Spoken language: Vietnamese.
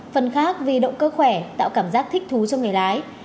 phần khác vì động cơ khỏe tạo cảm giác thích thú cho người lái